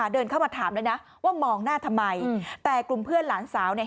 เดินเข้ามาถามเลยนะว่ามองหน้าทำไมแต่กลุ่มเพื่อนหลานสาวเนี่ย